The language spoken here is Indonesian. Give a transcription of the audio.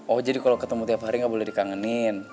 oh jadi kalau ketemu tiap hari nggak boleh dikangenin